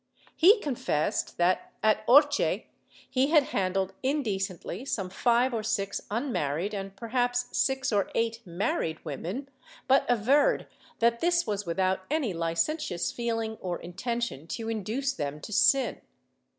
He confessed that, at Orche, he had handled indecently some five or six unmarried and perhaps six or eight married women, but averred that this was without any licentious feeling or intention to induce them to sin.